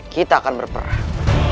kita akan berperang